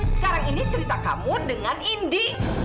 sekarang ini cerita kamu dengan indi